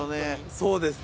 そうですね。